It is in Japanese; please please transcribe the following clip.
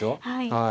はい。